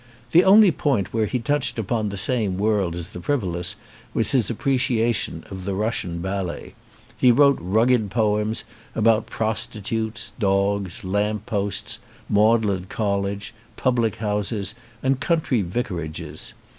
The only point where he touched upon the same world as the frivolous was his appreciation of the Russian Ballet. He wrote rugged poems about prostitutes, dogs, lamp posts, Magdalen College, public houses and country vicarages.